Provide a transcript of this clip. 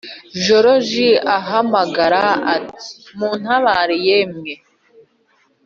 Joriji ahamagara ati:” muntabare yemwe?